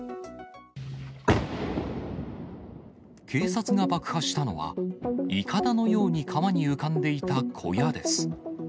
警察が爆破したのは、いかだのように川に浮かんでいた小屋です。